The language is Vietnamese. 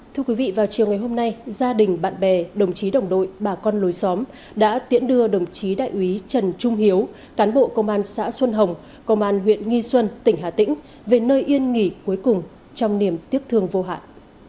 thưa quý vị vào chiều ngày hôm nay gia đình bạn bè đồng chí đồng đội bà con lối xóm đã tiễn đưa đồng chí đại úy trần trung hiếu cán bộ công an xã xuân hồng công an huyện nghi xuân tỉnh hà tĩnh về nơi yên nghỉ cuối cùng trong niềm tiếc thương vô hạn